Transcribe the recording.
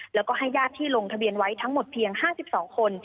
แล้วก็ให้ญาติที่ลงทะเบียนไว้ทั้งหมดเพียง๕๒คน